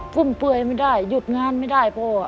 ุ่มเปื่อยไม่ได้หยุดงานไม่ได้พ่อ